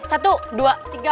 satu dua tiga